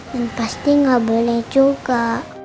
dan pasti gak boleh juga